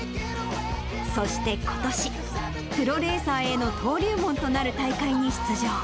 そしてことし、プロレーサーへの登竜門となる大会に出場。